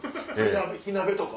火鍋とか？